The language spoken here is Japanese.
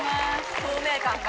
透明感が。